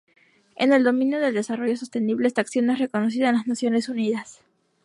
En el dominio del desarrollo sostenible, esta acción es reconocida en las Naciones Unidas.